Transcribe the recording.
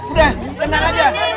udah tenang aja